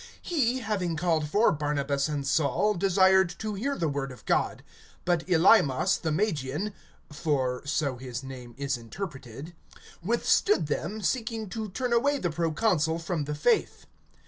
He, having called for Barnabas and Saul, desired to hear the word of God. (8)But Elymas the Magian (for so his name is interpreted), withstood them, seeking to turn away the proconsul from the faith.